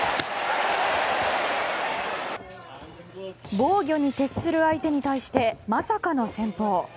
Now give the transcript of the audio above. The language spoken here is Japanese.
防御に徹する相手に対してまさかの戦法。